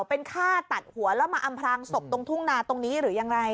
เป็นฆ่าตัดหัวแล้วมาอำพลางศพตรงทุ่งนาตรงนี้หรือยังไง